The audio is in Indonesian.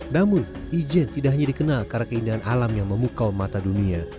namun ijen tidak hanya dikenal karena keindahan alam yang memukau mata dunia